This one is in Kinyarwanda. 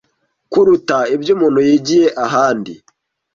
kuruta ibyo umuntu yigiye ahandi.